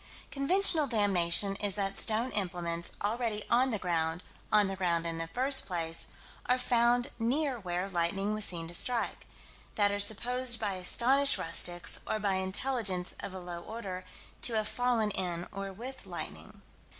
Conventional damnation is that stone implements, already on the ground "on the ground in the first place" are found near where lightning was seen to strike: that are supposed by astonished rustics, or by intelligence of a low order, to have fallen in or with lightning.